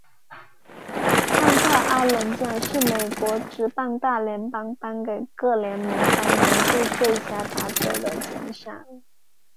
汉克阿伦奖是美国职棒大联盟颁给各联盟当年度最佳打者的奖项。